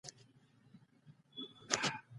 د ښار د مهم مرکز نیول هم یو اغیزناک کار دی.